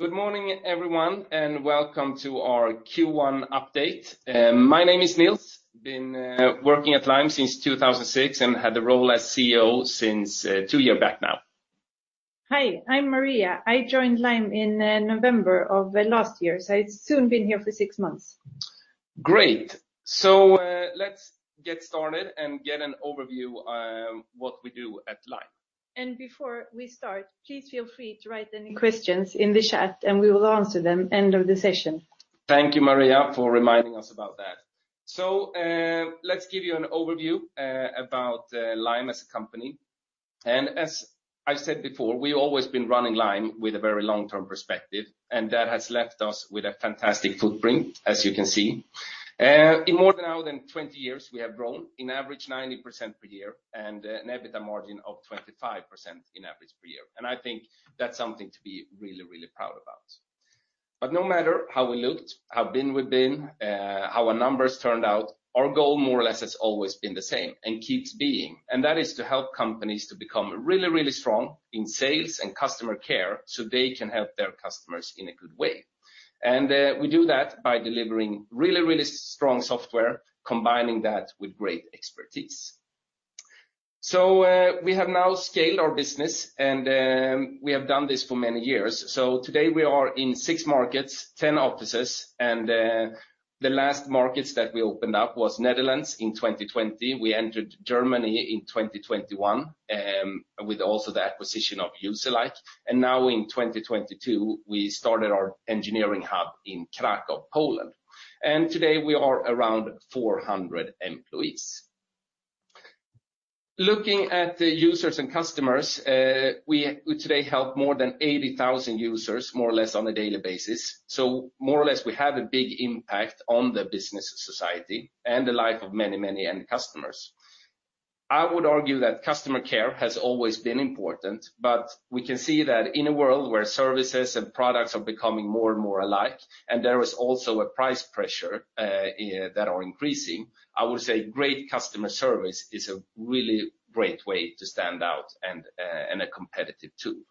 Good morning, everyone, and welcome to our Q1 update. My name is Nils. Been working at Lime since 2006 and had the role as CEO since two years back now. Hi, I'm Maria. I joined Lime in November of last year, so it's soon been here for six months. Great. Let's get started and get an overview on what we do at Lime. Before we start, please feel free to write any questions in the chat, and we will answer them end of the session. Thank you, Maria, for reminding us about that. Let's give you an overview about Lime as a company. As I said before, we've always been running Lime with a very long-term perspective, and that has left us with a fantastic footprint, as you can see. In more now than 20 years, we have grown in average 90% per year and an EBITDA margin of 25% in average per year. I think that's something to be really, really proud about. No matter how we looked, how big we've been, how our numbers turned out, our goal more or less has always been the same and keeps being. That is to help companies to become really, really strong in sales and customer care, so they can help their customers in a good way. We do that by delivering really, really strong software, combining that with great expertise. We have now scaled our business, and we have done this for many years. Today we are in six markets, 10 offices, and the last markets that we opened up was Netherlands in 2020. We entered Germany in 2021 with also the acquisition of Userlike. Now in 2022, we started our engineering hub in Kraków, Poland. Today we are around 400 employees. Looking at the users and customers, we today help more than 80,000 users, more or less on a daily basis. More or less, we have a big impact on the business society and the life of many, many end customers. I would argue that customer care has always been important, but we can see that in a world where services and products are becoming more and more alike, and there is also a price pressure that are increasing, I would say great customer service is a really great way to stand out and a competitive tool.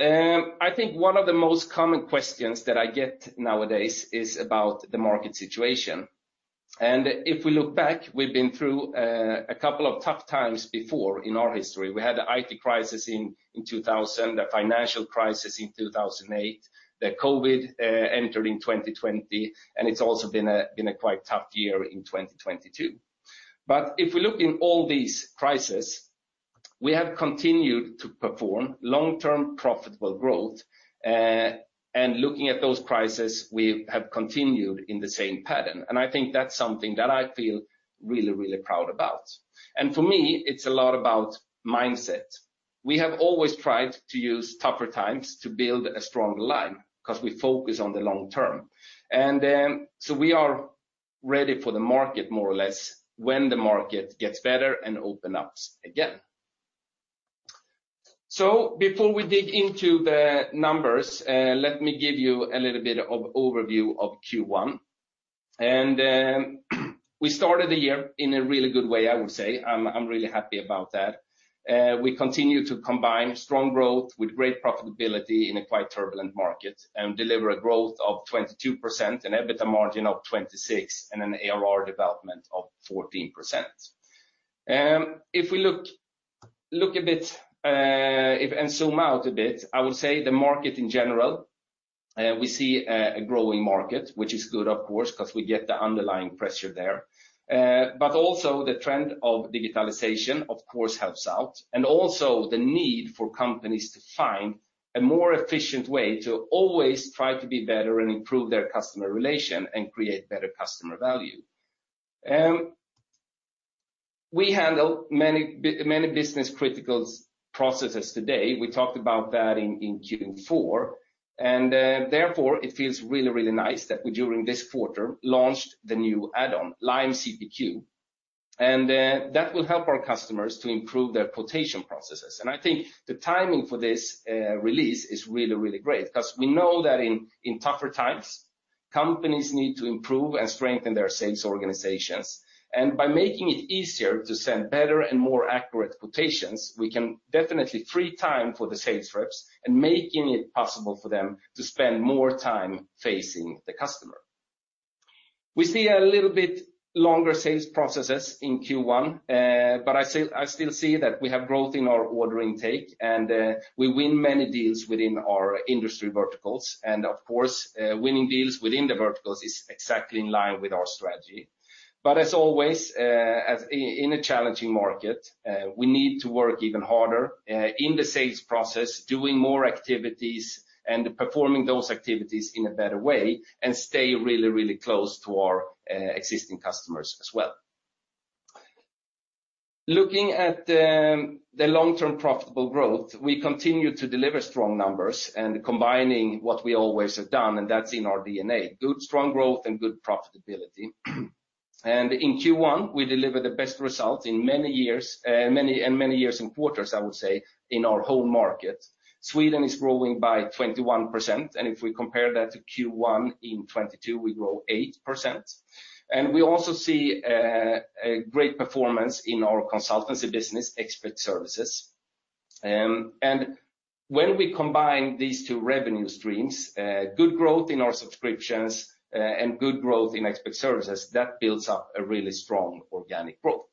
I think one of the most common questions that I get nowadays is about the market situation. If we look back, we've been through a couple of tough times before in our history. We had the IT crisis in 2000, the financial crisis in 2008, the COVID entered in 2020, and it's also been a quite tough year in 2022. If we look in all these crises, we have continued to perform long-term profitable growth. Looking at those crises, we have continued in the same pattern. I think that's something that I feel really proud about. For me, it's a lot about mindset. We have always tried to use tougher times to build a stronger Lime because we focus on the long term. We are ready for the market more or less when the market gets better and open ups again. Before we dig into the numbers, let me give you a little bit of overview of Q1. We started the year in a really good way, I would say. I'm really happy about that. We continue to combine strong growth with great profitability in a quite turbulent market and deliver a growth of 22%, an EBITDA margin of 26%, and an ARR development of 14%. If we look a bit, if and zoom out a bit, I would say the market in general, we see a growing market, which is good, of course, because we get the underlying pressure there. But also the trend of digitalization, of course, helps out. Also the need for companies to find a more efficient way to always try to be better and improve their customer relation and create better customer value. We handle many business critical processes today. We talked about that in Q4, and therefore, it feels really, really nice that we, during this quarter, launched the new add-on, Lime CPQ. That will help our customers to improve their quotation processes. I think the timing for this release is really, really great because we know that in tougher times, companies need to improve and strengthen their sales organizations. By making it easier to send better and more accurate quotations, we can definitely free time for the sales reps and making it possible for them to spend more time facing the customer. We see a little bit longer sales processes in Q1, but I still see that we have growth in our order intake, and we win many deals within our industry verticals. Of course, winning deals within the verticals is exactly in line with our strategy. As always, as in a challenging market, we need to work even harder in the sales process, doing more activities and performing those activities in a better way and stay really, really close to our existing customers as well. Looking at the long-term profitable growth, we continue to deliver strong numbers and combining what we always have done, and that's in our DNA. Good, strong growth and good profitability. In Q1, we deliver the best results in many years and quarters, I would say, in our home market. Sweden is growing by 21%, and if we compare that to Q1 in 2022, we grow 8%. We also see a great performance in our consultancy business, Expert Services. When we combine these two revenue streams, good growth in our subscriptions, and good growth in Expert Services, that builds up a really strong organic growth.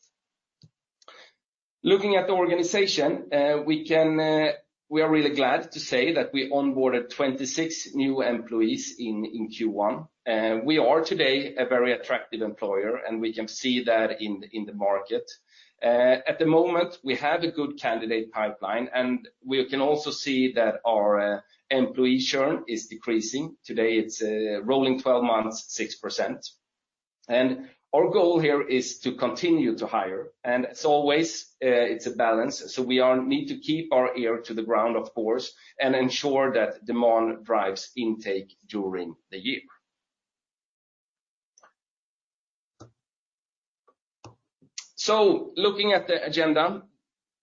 Looking at the organization, we are really glad to say that we onboarded 26 new employees in Q1. We are today a very attractive employer, and we can see that in the market. At the moment, we have a good candidate pipeline, and we can also see that our employee churn is decreasing. Today, it's rolling 12 months, 6%. Our goal here is to continue to hire. As always, it's a balance. We need to keep our ear to the ground, of course, and ensure that demand drives intake during the year. Looking at the agenda,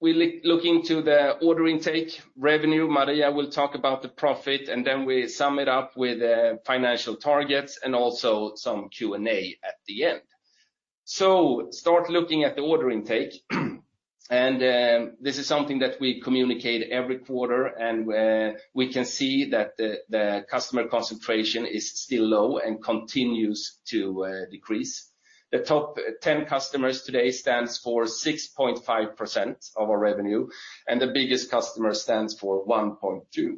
we look into the order intake, revenue. Maria will talk about the profit, we sum it up with financial targets and also some Q&A at the end. Start looking at the order intake. This is something that we communicate every quarter, we can see that the customer concentration is still low and continues to decrease. The top 10 customers today stands for 6.5% of our revenue, the biggest customer stands for 1.2%.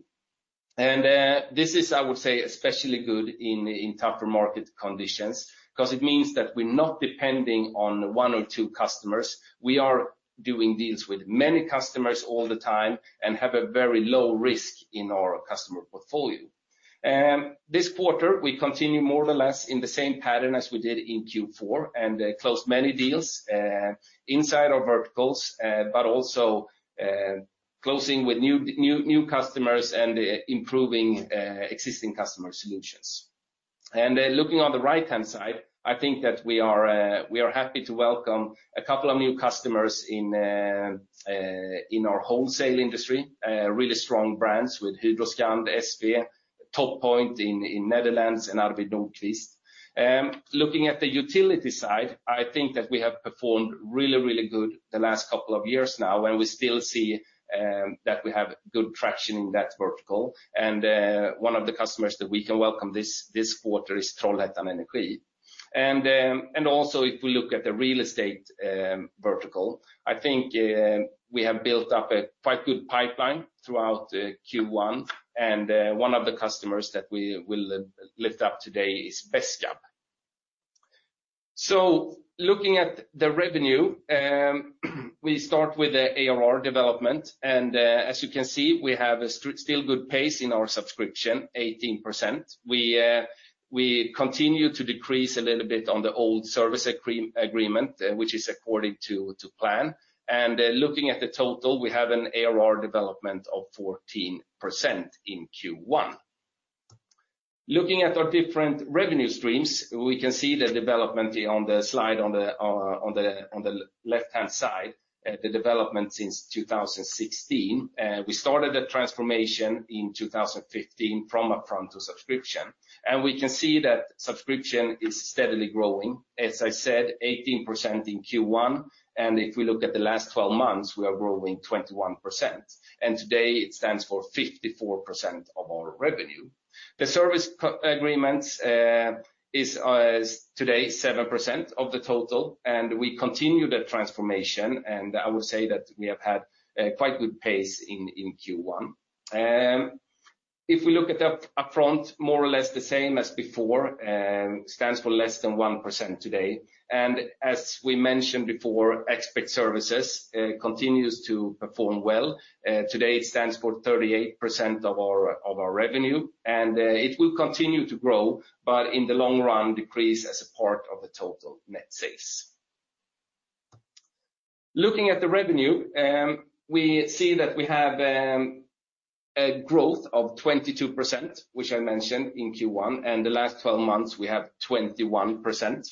This is, I would say, especially good in tougher market conditions because it means that we're not depending on one or two customers. We are doing deals with many customers all the time and have a very low risk in our customer portfolio. This quarter, we continue more or less in the same pattern as we did in Q4 and close many deals inside our verticals, but also closing with new customers and improving existing customer solutions. Looking on the right-hand side, I think that we are happy to welcome a couple of new customers in our wholesale industry, really strong brands with Hydroscand, SE, Toppoint in Netherlands, and Arvid Nordquist. Looking at the utility side, I think that we have performed really, really good the last couple of years now, and we still see that we have good traction in that vertical. One of the customers that we can welcome this quarter is Trollhättan Energi. If we look at the real estate vertical, I think we have built up a quite good pipeline throughout Q1. One of the customers that we will lift up today is Best job. Looking at the revenue, we start with the ARR development. As you can see, we have a still good pace in our subscription, 18%. We continue to decrease a little bit on the old service agreement, which is according to plan. Looking at the total, we have an ARR development of 14% in Q1. Looking at our different revenue streams, we can see the development on the slide on the left-hand side, the development since 2016. We started a transformation in 2015 from upfront to subscription, we can see that subscription is steadily growing. As I said, 18% in Q1. If we look at the last 12 months, we are growing 21%. Today, it stands for 54% of our revenue. The service agreements is today 7% of the total, we continue the transformation. I would say that we have had a quite good pace in Q1. If we look at the upfront, more or less the same as before, stands for less than 1% today. As we mentioned before, expert services continues to perform well. Today, it stands for 38% of our revenue, and it will continue to grow, but in the long run, decrease as a part of the total net sales. Looking at the revenue, we see that we have a growth of 22%, which I mentioned in Q1. The last 12 months, we have 21%.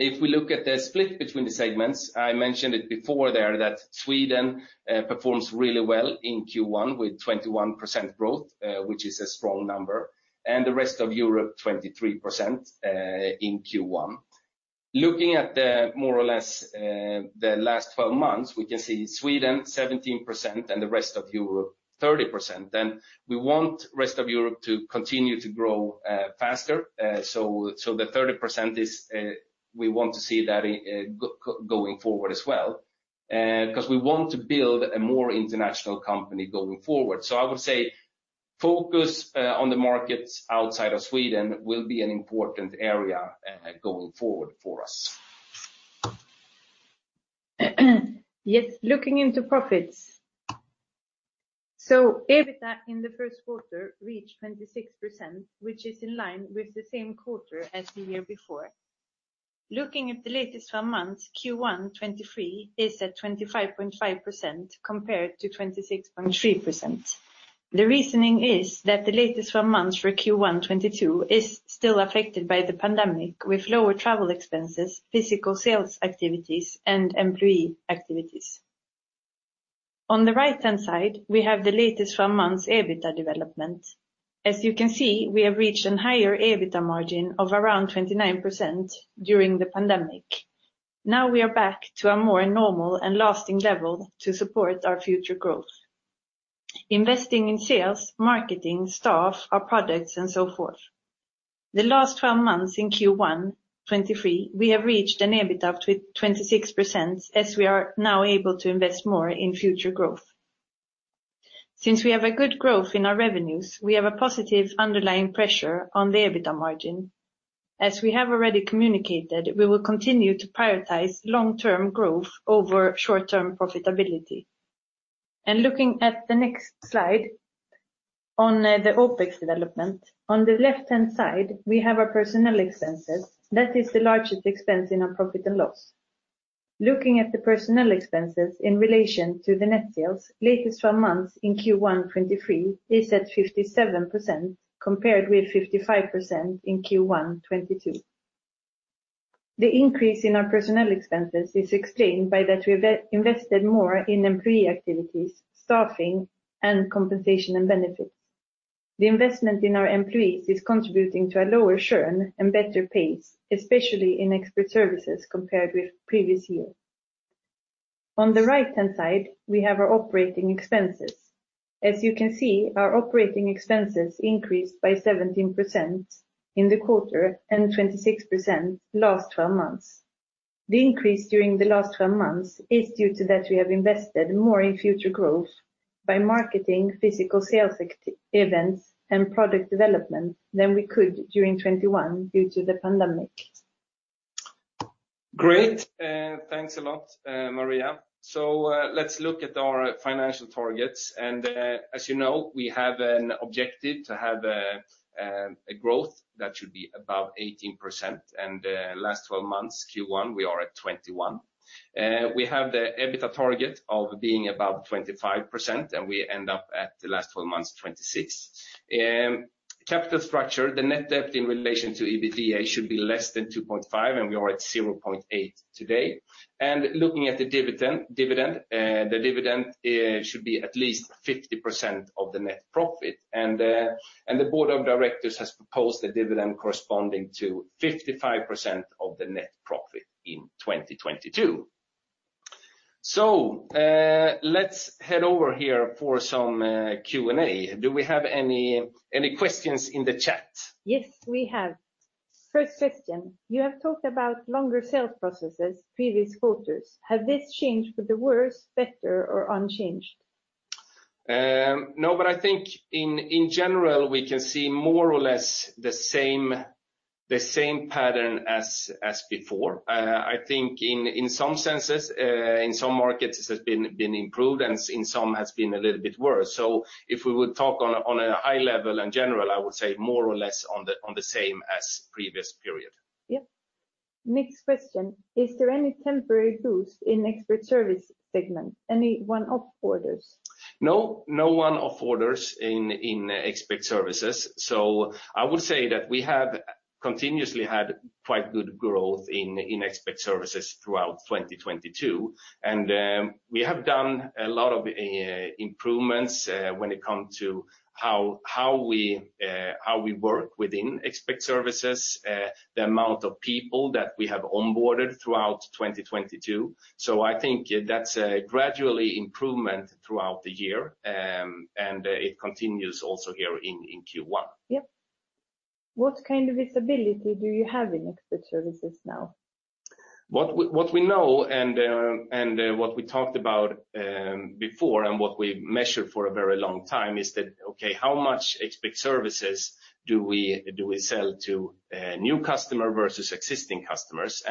Looking at the split between the segments, I mentioned it before there that Sweden performs really well in Q1 with 21% growth, which is a strong number, and the rest of Europe, 23% in Q1. Looking at the more or less, the last 12 months, we can see Sweden 17% and the rest of Europe 30%. We want rest of Europe to continue to grow faster. The 30% is, we want to see that going forward as well. Because we want to build a more international company going forward. I would say focus on the markets outside of Sweden will be an important area going forward for us. Yes, looking into profits. EBITDA in the first quarter reached 26%, which is in line with the same quarter as the year before. Looking at the latest 12 months, Q1 2023 is at 25.5% compared to 26.3%. The reasoning is that the latest 12 months for Q1 2022 is still affected by the pandemic, with lower travel expenses, physical sales activities, and employee activities. On the right-hand side, we have the latest 12 months EBITDA development. As you can see, we have reached a higher EBITDA margin of around 29% during the pandemic. Now we are back to a more normal and lasting level to support our future growth. Investing in sales, marketing, staff, our products and so forth. The last 12 months in Q1 2023, we have reached an EBITDA of 26% as we are now able to invest more in future growth. Since we have a good growth in our revenues, we have a positive underlying pressure on the EBITDA margin. As we have already communicated, we will continue to prioritize long-term growth over short-term profitability. Looking at the next slide on the OpEx development, on the left-hand side, we have our personnel expenses. That is the largest expense in our profit and loss. Looking at the personnel expenses in relation to the net sales, latest 12 months in Q1 2023 is at 57% compared with 55% in Q1 2022. The increase in our personnel expenses is explained by that we have invested more in employee activities, staffing, and compensation and benefits. The investment in our employees is contributing to a lower churn and better pace, especially in expert services compared with previous year. On the right-hand side, we have our operating expenses. As you can see, our operating expenses increased by 17% in the quarter and 26% last twelve months. The increase during the last twelve months is due to that we have invested more in future growth by marketing physical sales events and product development than we could during 2021 due to the pandemic. Great. Thanks a lot, Maria. Let's look at our financial targets. As you know, we have an objective to have a growth that should be above 18%. Last 12 months, Q1, we are at 21%. We have the EBITDA target of being above 25%, and we end up at the last 12 months, 26%. Capital structure, the net debt in relation to EBITDA should be less than 2.5, and we are at 0.8 today. Looking at the dividend, the dividend should be at least 50% of the net profit. The board of directors has proposed a dividend corresponding to 55% of the net profit in 2022. Let's head over here for some Q&A. Do we have any questions in the chat? Yes, we have. First question, you have talked about longer sales processes previous quarters. Have this changed for the worse, better or unchanged? I think in general, we can see more or less the same pattern as before. I think in some senses, in some markets it has been improved, and in some has been a little bit worse. If we would talk on a high level in general, I would say more or less on the same as previous period. Yeah. Next question. Is there any temporary boost in Expert Service segment? Any one-off orders? No. No one-off orders in expert services. I would say that we have continuously had quite good growth in expert services throughout 2022. We have done a lot of improvements when it come to how we work within expert services, the amount of people that we have onboarded throughout 2022. I think that's a gradually improvement throughout the year. It continues also here in Q1. Yeah. What kind of visibility do you have in expert services now? What we know and what we talked about before and what we measured for a very long time is that, okay, how much expert services do we sell to a new customer versus existing customers?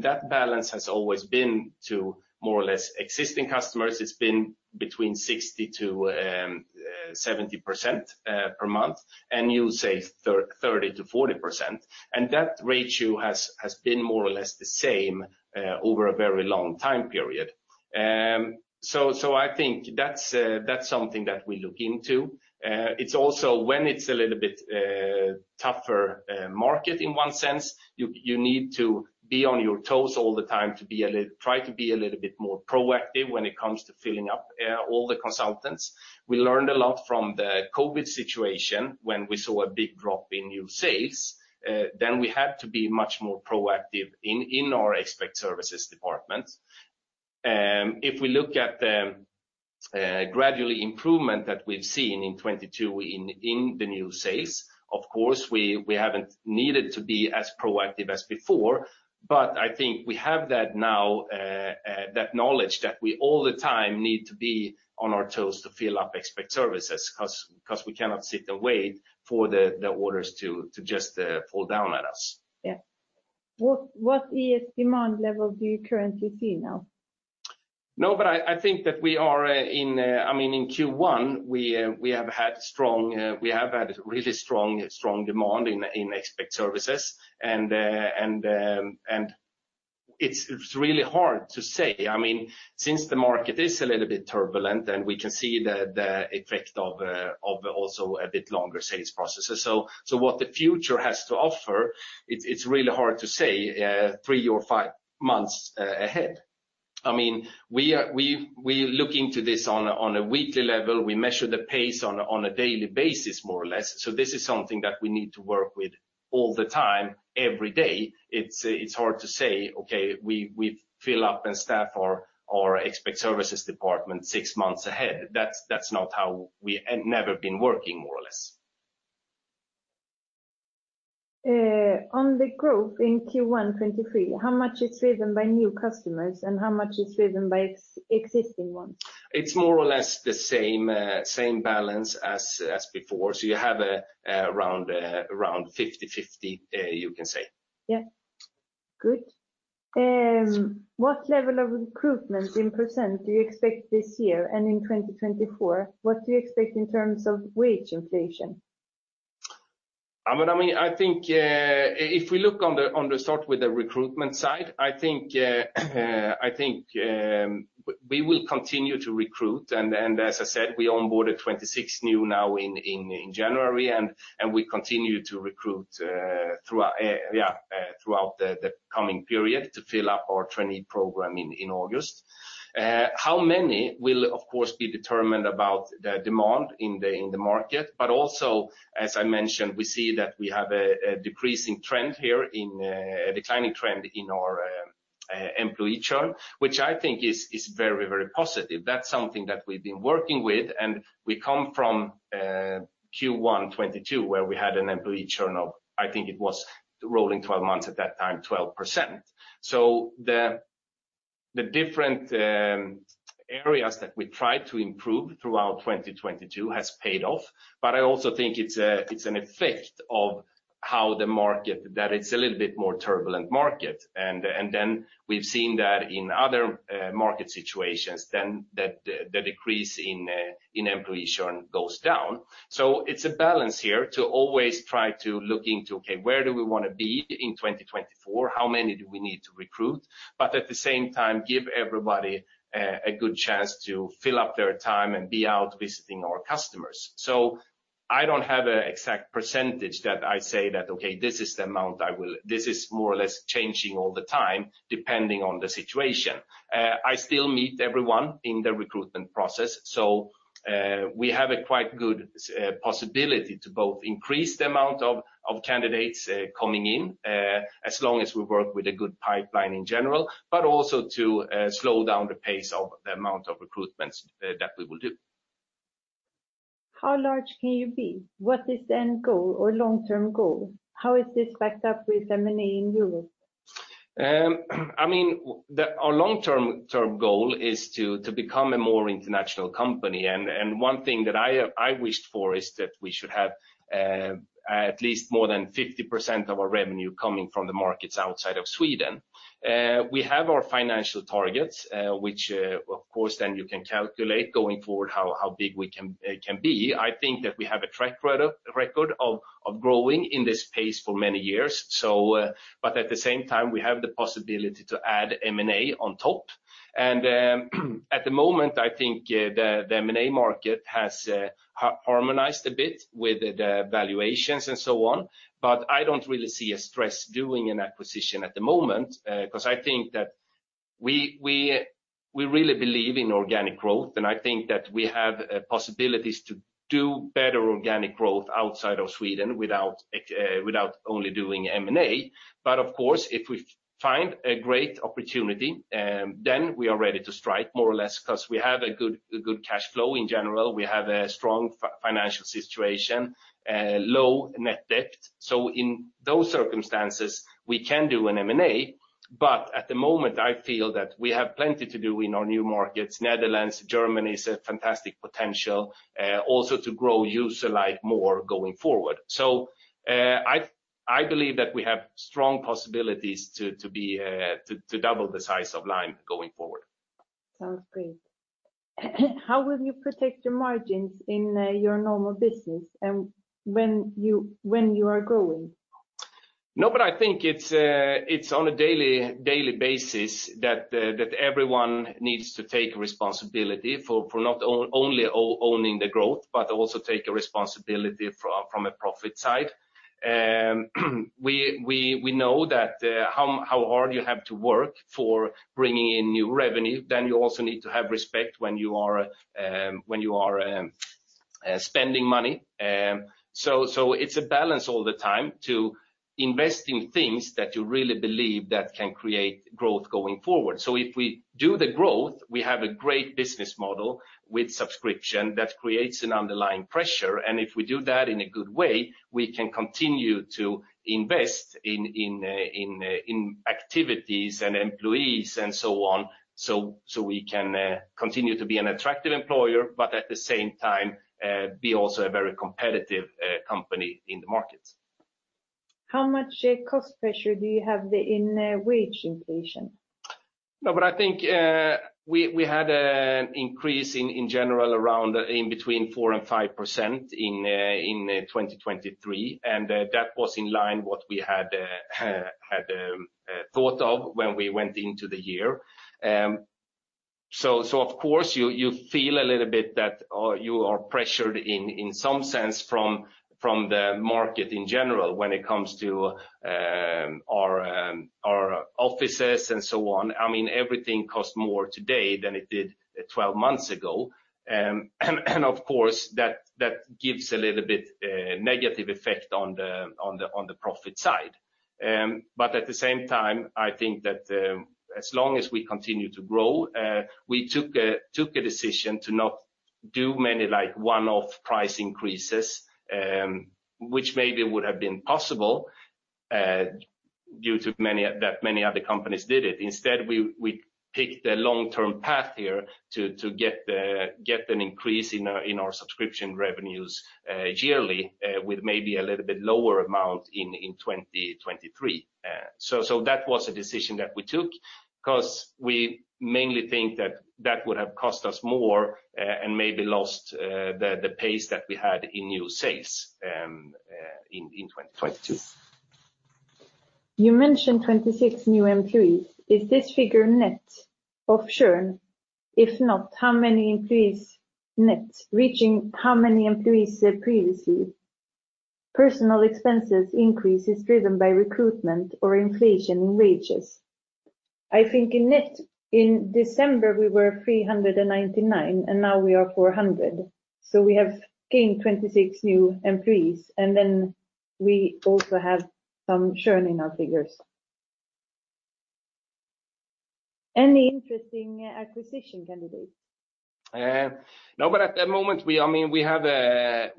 That balance has always been to more or less existing customers. It's been between 60%-70% per month, and you say 30%-40%. That ratio has been more or less the same over a very long time period. I think that's something that we look into. It's also when it's a little bit tougher market in one sense, you need to be on your toes all the time to try to be a little bit more proactive when it comes to filling up all the consultants. We learned a lot from the COVID situation when we saw a big drop in new sales. We had to be much more proactive in our expert services department. If we look at the gradually improvement that we've seen in 2022 in the new sales, of course, we haven't needed to be as proactive as before, but I think we have that now, that knowledge that we all the time need to be on our toes to fill up Expert Services 'cause we cannot sit and wait for the orders to just fall down at us. Yeah. What ES demand level do you currently see now? No, I think that we are, I mean, in Q1, we have had really strong demand in expert services. It's really hard to say. I mean, since the market is a little bit turbulent, then we can see the effect of also a bit longer sales processes. What the future has to offer, it's really hard to say three or five months ahead. I mean, we look into this on a weekly level. We measure the pace on a daily basis, more or less. This is something that we need to work with all the time, every day. It's hard to say, "Okay, we fill up and staff our expect services department six months ahead." That's not how we have never been working, more or less. On the growth in Q1 2023, how much is driven by new customers, and how much is driven by existing ones? It's more or less the same balance as before. You have a around 50/50, you can say. Yeah. Good. What level of recruitment in % do you expect this year and in 2024? What do you expect in terms of wage inflation? I mean, I think, if we look on the start with the recruitment side, I think, we will continue to recruit. As I said, we onboarded 26 new now in January, we continue to recruit throughout the coming period to fill up our trainee program in August. How many will, of course, be determined about the demand in the market. Also, as I mentioned, we see that we have a decreasing trend here in a declining trend in our employee churn, which I think is very, very positive. That's something that we've been working with, we come from, Q1 2022, where we had an employee churn of, I think it was rolling 12 months at that time, 12%. The different areas that we tried to improve throughout 2022 has paid off. I also think it's an effect of how that it's a little bit more turbulent market. We've seen that in other market situations than that the decrease in employee churn goes down. It's a balance here to always try to look into, okay, where do we wanna be in 2024? How many do we need to recruit? At the same time, give everybody a good chance to fill up their time and be out visiting our customers. I don't have an exact percentage that I say that, "Okay, this is the amount I will." This is more or less changing all the time, depending on the situation. I still meet everyone in the recruitment process, so, we have a quite good possibility to both increase the amount of candidates coming in as long as we work with a good pipeline in general, but also to slow down the pace of the amount of recruitments that we will do. How large can you be? What is the end goal or long-term goal? How is this backed up with M&A in Europe? I mean, our long-term goal is to become a more international company. One thing that I wished for is that we should have at least more than 50% of our revenue coming from the markets outside of Sweden. We have our financial targets, which of course then you can calculate going forward how big we can be. I think that we have a track record of growing in this pace for many years. At the same time, we have the possibility to add M&A on top. At the moment, I think the M&A market has harmonized a bit with the valuations and so on. I don't really see a stress doing an acquisition at the moment 'cause I think that we really believe in organic growth, and I think that we have possibilities to do better organic growth outside of Sweden without only doing M&A. Of course, if we find a great opportunity, then we are ready to strike more or less 'cause we have a good cash flow in general. We have a strong financial situation, low net debt. In those circumstances, we can do an M&A. At the moment, I feel that we have plenty to do in our new markets. Netherlands, Germany is a fantastic potential also to grow Userlike more going forward. I believe that we have strong possibilities to be to double the size of Lime going forward. Sounds great. How will you protect your margins in your normal business and when you are growing? I think it's on a daily basis that everyone needs to take responsibility for not only owning the growth, but also take a responsibility from a profit side. We know that how hard you have to work for bringing in new revenue, then you also need to have respect when you are spending money. So it's a balance all the time to invest in things that you really believe that can create growth going forward. If we do the growth, we have a great business model with subscription that creates an underlying pressure. If we do that in a good way, we can continue to invest in activities and employees and so on. We can continue to be an attractive employer, but at the same time, be also a very competitive company in the markets. How much cost pressure do you have in wage inflation? I think we had an increase in general around in between 4% and 5% in 2023. That was in line what we had thought of when we went into the year. Of course, you feel a little bit that you are pressured in some sense from the market in general when it comes to our offices and so on. I mean, everything costs more today than it did 12 months ago. Of course, that gives a little bit negative effect on the profit side. At the same time, I think that as long as we continue to grow, we took a decision to not do many like one-off price increases, which maybe would have been possible due to many other companies did it. Instead, we picked the long-term path here to get an increase in our subscription revenues yearly with maybe a little bit lower amount in 2023. That was a decision that we took 'cause we mainly think that that would have cost us more and maybe lost the pace that we had in new sales in 2022. You mentioned 26 new employees. Is this figure net of churn? If not, how many employees net? Reaching how many employees previously? Personal expenses increase is driven by recruitment or inflation in wages. I think in net, in December, we were 399, and now we are 400. We have gained 26 new employees, and then we also have some churn in our figures. Any interesting acquisition candidates? No. I mean, we are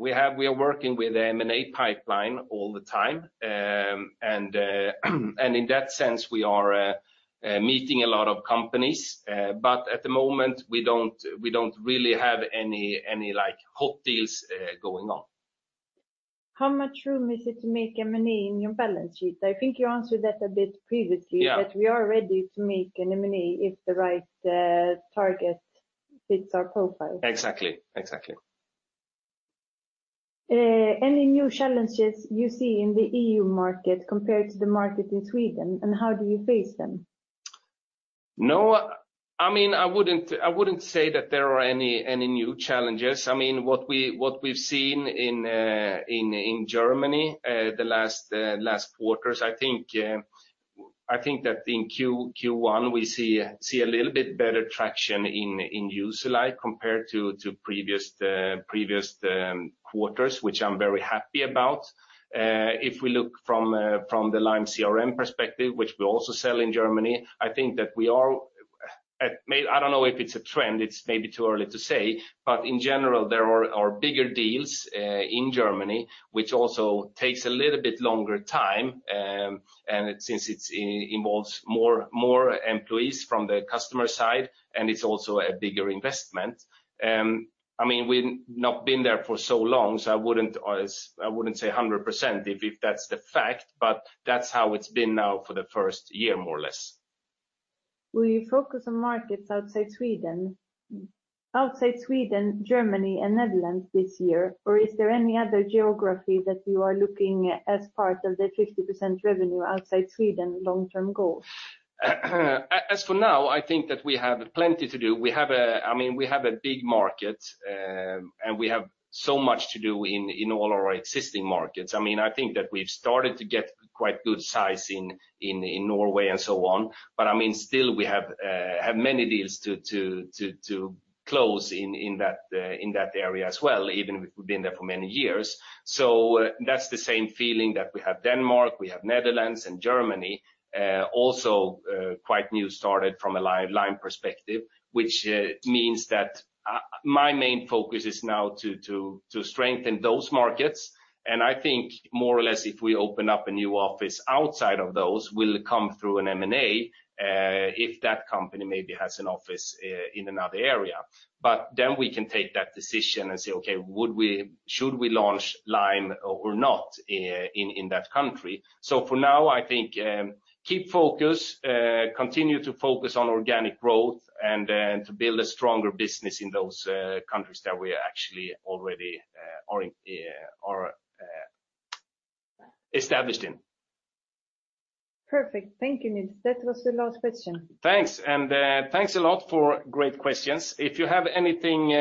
working with M&A pipeline all the time. In that sense, we are meeting a lot of companies. At the moment, we don't really have any, like, hot deals going on. How much room is it to make M&A in your balance sheet? I think you answered that a bit previously. Yeah. We are ready to make an M&A if the right target fits our profile. Exactly. Exactly. Any new challenges you see in the EU market compared to the market in Sweden, and how do you face them? No. I mean, I wouldn't say that there are any new challenges. I mean, what we've seen in Germany, the last quarters, I think that in Q1, we see a little bit better traction in Userlike compared to previous quarters, which I'm very happy about. If we look from the Lime CRM perspective, which we also sell in Germany, I think that we are at I don't know if it's a trend, it's maybe too early to say, but in general, there are bigger deals in Germany, which also takes a little bit longer time. Since it involves more employees from the customer side, and it's also a bigger investment. I mean, we've not been there for so long, so I wouldn't say 100% if that's the fact, but that's how it's been now for the first year, more or less. Will you focus on markets outside Sweden? Outside Sweden, Germany and Netherlands this year, or is there any other geography that you are looking as part of the 50% revenue outside Sweden long-term goal? As for now, I think that we have plenty to do. We have a big market, and we have so much to do in all our existing markets. I mean, I think that we've started to get quite good size in Norway and so on. I mean, still we have many deals to close in that area as well, even if we've been there for many years. That's the same feeling that we have Denmark, we have Netherlands and Germany, also quite new started from a Lime Go perspective, which means that my main focus is now to strengthen those markets. I think more or less, if we open up a new office outside of those, we'll come through an M&A, if that company maybe has an office, in another area. We can take that decision and say, "Okay, should we launch Lime or not in that country?" For now, I think, keep focus, continue to focus on organic growth and to build a stronger business in those countries that we are actually already or established in. Perfect. Thank you, Nils. That was the last question. Thanks. Thanks a lot for great questions. If you have anything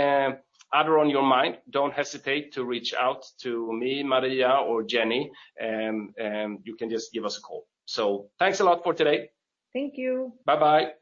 other on your mind, don't hesitate to reach out to me, Maria, or Jenny. You can just give us a call. Thanks a lot for today. Thank you. Bye-bye.